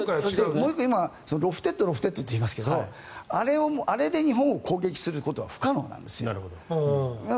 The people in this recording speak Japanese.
もう１個、ロフテッドロフテッドって言いますけどあれで日本を攻撃することは不可能なんですよ。